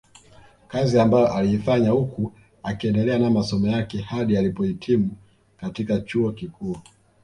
Kazi ambayo aliifanya huku akiendelea na masomo yake hadi alipohitimu katika chuo kikuu